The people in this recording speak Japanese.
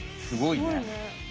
すごいね。